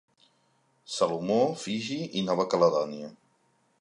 Salomó, Fiji i Nova Caledònia.